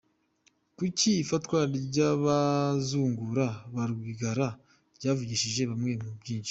Kuki ifatwa ry’abazungura ba Rwigara ryavugishije bamwe byinshi